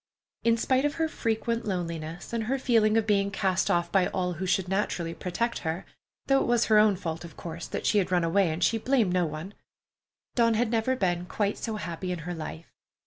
In spite of her frequent loneliness, and her feeling of being cast off by all who should naturally protect her—though it was her own fault, of course, that she had run away, and she blamed no one—Dawn had never been quite so happy in her life.